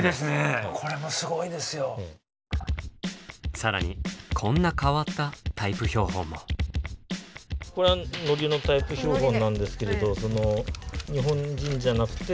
更にこんな変わったタイプ標本も。